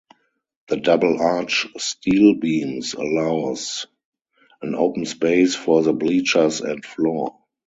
The double arch steel beams allows an open space for the bleachers and floor.